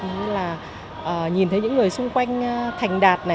như là nhìn thấy những người xung quanh thành đạt này